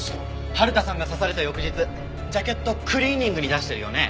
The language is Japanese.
春田さんが刺された翌日ジャケットをクリーニングに出してるよね。